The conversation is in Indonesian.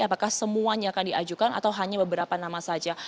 apakah semuanya akan diajukan atau hanya beberapa nama saja